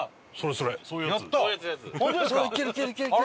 そういうやつ。